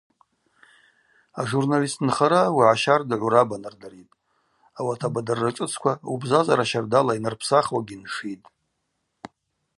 Ажурналист нхара уагӏа щардагӏв урабанардыритӏ, ауат абадырра шӏыцква убзазара щардала йанырпсахуагьи ншитӏ.